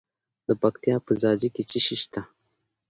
د پکتیا په ځاځي کې څه شی شته؟